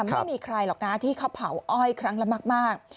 ไม่มีใครหรอกนะที่เขาเผาอ้อยครั้งละมาก